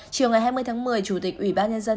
chiều ngày hai mươi tháng một mươi chủ tịch ủy ban nhân dân